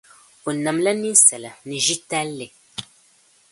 O namla ninsala ni ʒitalli.